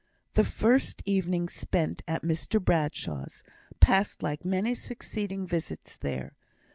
The first evening spent at Mr Bradshaw's passed like many succeeding visits there.